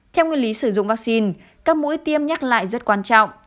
theo nguyên lý sử dụng vaccine các mũi tiêm nhắc lại rất quan trọng